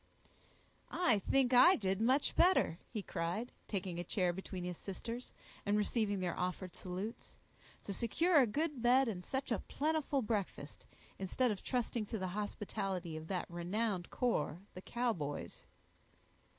"I think I did much better," he cried, taking a chair between his sisters, and receiving their offered salutes, "to secure a good bed and such a plentiful breakfast, instead of trusting to the hospitality of that renowned corps, the Cowboys."